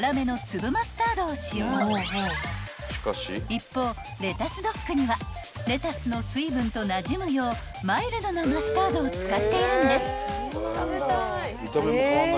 ［一方レタスドックにはレタスの水分となじむようマイルドなマスタードを使っているんです］